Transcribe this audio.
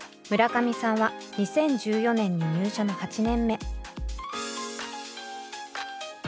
村上さんは２０１４年に入社の８年目。